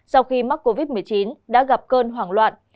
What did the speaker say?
sau khi mắc covid một mươi chín đã gặp cơn hoảng loạn